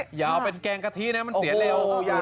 อย่าเอาเป็นแกงกะทินะมันเสียเร็ว